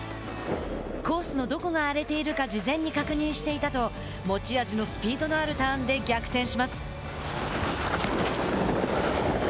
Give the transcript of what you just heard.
コースのどこが荒れているか事前に確認していたと持ち味のスピードのあるターンで逆転します。